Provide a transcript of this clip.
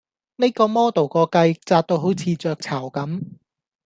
呢個 model 個髻扎到好似雀巢咁